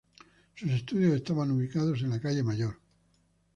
Sus estudios estaban ubicados en la calle Major.